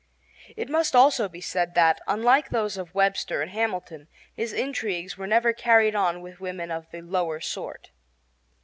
It must also be said that, unlike those of Webster and Hamilton, his intrigues were never carried on with women of the lower sort.